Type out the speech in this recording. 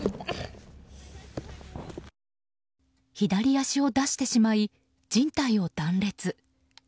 左足を出してしまいじん帯を断裂。